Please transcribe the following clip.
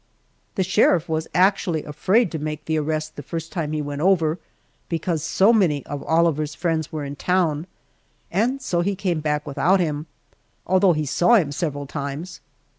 The sheriff was actually afraid to make the arrest the first time he went over, because so many of Oliver's friends were in town, and so he came back without him, although he saw him several times.